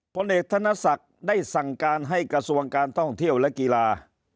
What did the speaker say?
ผลเอกธนศักดิ์ได้สั่งการให้กระทรวงการท่องเที่ยวและกีฬา